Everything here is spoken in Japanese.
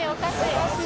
おかしい。